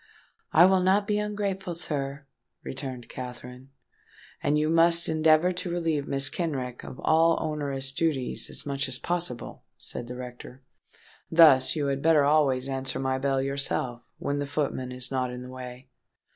"I will not be ungrateful, sir," returned Katherine. "And you must endeavour to relieve Mrs. Kenrick of all onerous duties as much as possible," said the rector. "Thus, you had better always answer my bell yourself, when the footman is not in the way."